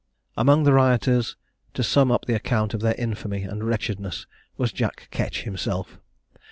Among the rioters, to sum up the account of their infamy and wretchedness, was Jack Ketch himself.